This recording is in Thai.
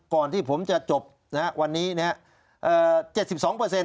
ก่อนที่ผมจะจบวันนี้นะฮะ